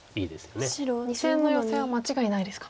２線のヨセは間違いないですか。